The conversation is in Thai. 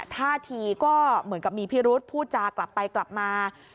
ท่าทีก็เหมือนกับมีพิรุษพูดจากับไปกลับมา